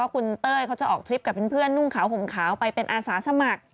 คุณเต้ยเขาจะออกทริปกับเพื่อนนุ่งขาวห่มขาวไปเป็นอาสาสมัคร